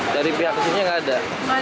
dari pihak sini nggak ada